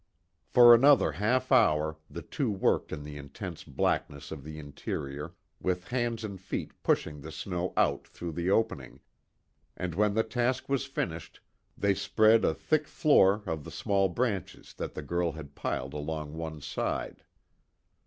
For another half hour, the two worked in the intense blackness of the interior with hands and feet pushing the snow out through the opening, and when the task was finished they spread a thick floor of the small branches that the girl had piled along one side.